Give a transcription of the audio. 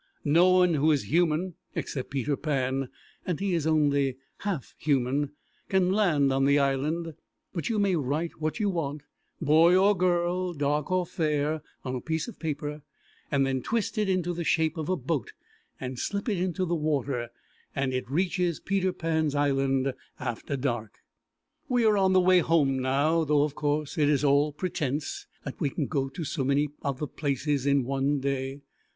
No one who is human, except Peter Pan (and he is only half human), can land on the island, but you may write what you want (boy or girl, dark or fair) on a piece of paper, and then twist it into the shape of a boat and slip it into the water, and it reaches Peter Pan's island after dark. We are on the way home now, though, of course, it is all pretence that we can go to so many of the places in one day.